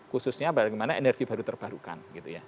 khususnya bagaimana energi baru terbarukan gitu ya